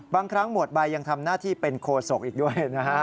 บางครั้งหมวดใบยังทำหน้าที่เป็นโคศกอีกด้วยนะฮะ